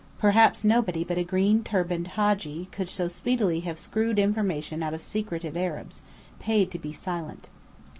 Perhaps nobody but a green turbaned Hadji could so speedily have screwed information out of secretive Arabs, paid to be silent.